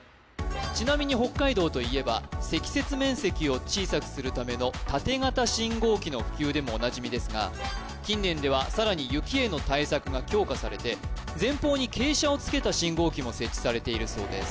ちなみに北海道といえば積雪面積を小さくするための縦型信号機の普及でもおなじみですが近年ではさらに雪への対策が強化されて前方に傾斜をつけた信号機も設置されているそうです